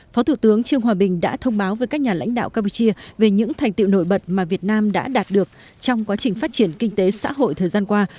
phó thủ tướng trương hòa bình đã thông báo với các nhà lãnh đạo campuchia về những thành tiệu nổi bật mà việt nam đã đạt được trong quá trình phát triển kinh tế xã hội thời gian qua